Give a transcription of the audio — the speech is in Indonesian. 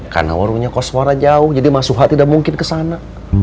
karena warungnya koswara jauh jadi masuk hati udah mungkin kesana